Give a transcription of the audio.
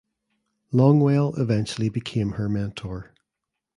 Longwell eventually became her mentor.